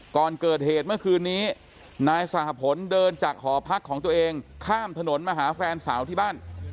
ก่อนเกิดเหตุเมื่อคืนนี้นายสหพลเดินจากหอพักของตัวเองข้ามถนนมาหาแฟนสาวที่บ้าน